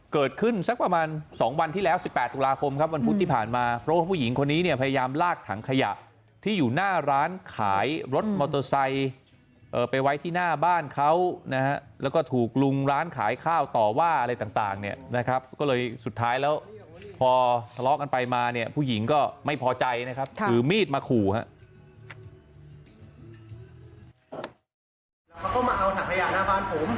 สักประมาณ๒วันที่แล้ว๑๘ตุลาคมครับวันพุธที่ผ่านมาเพราะว่าผู้หญิงคนนี้เนี่ยพยายามลากถังขยะที่อยู่หน้าร้านขายรถมอเตอร์ไซค์ไปไว้ที่หน้าบ้านเขานะฮะแล้วก็ถูกลุงร้านขายข้าวต่อว่าอะไรต่างเนี่ยนะครับก็เลยสุดท้ายแล้วพอทะเลาะกันไปมาเนี่ยผู้หญิงก็ไม่พอใจนะครับถือมีดมาขู่ครับ